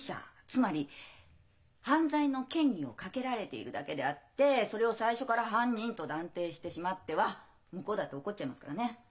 つまり犯罪の嫌疑をかけられているだけであってそれを最初から犯人と断定してしまっては向こうだって怒っちゃいますからね。